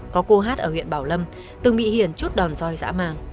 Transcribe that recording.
có cô hát ở huyện bảo lâm từng bị hiển chút đòn roi giã mang